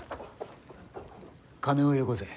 金をよこせ。